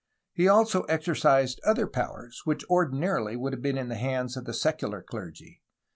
He also exercised other powers which ordinarily would have been in the hands of the secular clergy.